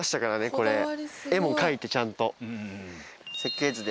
これ絵も描いてちゃんと。